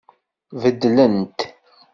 Beddlent.